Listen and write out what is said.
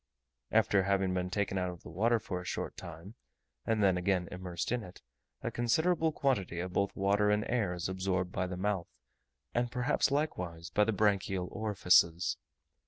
After having been taken out of water for a short time, and then again immersed in it, a considerable quantity both of water and air is absorbed by the mouth, and perhaps likewise by the branchial orifices.